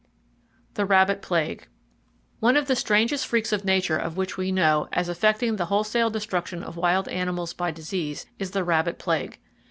The Rabbit Plague. —One of the strangest freaks of Nature of which we know as effecting the wholesale destruction of wild animals by disease is the rabbit plague.